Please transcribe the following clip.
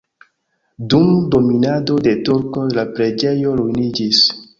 Dum dominado de turkoj la preĝejo ruiniĝis.